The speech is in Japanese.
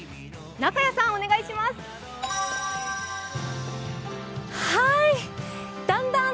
中屋さん。